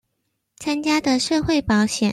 參加的社會保險